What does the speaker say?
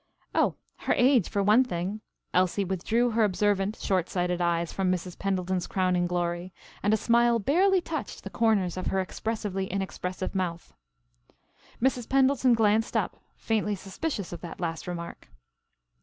"Oh her age for one thing." Elsie withdrew her observant short sighted eyes from Mrs. Pendleton's crowning glory, and a smile barely touched the corners of her expressively inexpressive mouth. Mrs. Pendleton glanced up, faintly suspicious of that last remark.